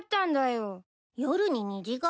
夜に虹が？